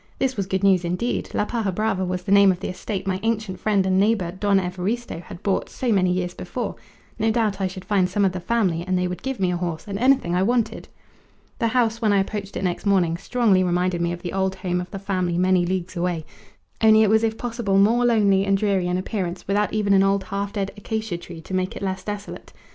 This was good news indeed! La Paja Brava was the name of the estate my ancient friend and neighbour, Don Evaristo, had bought so many years before: no doubt I should find some of the family, and they would give me a horse and anything I wanted. The house, when I approached it next morning, strongly reminded me of the old home of the family many leagues away, only it was if possible more lonely and dreary in appearance, without even an old half dead acacia tree to make it less desolate.